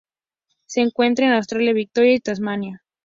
Se encuentra en Australia: Victoria y Tasmania.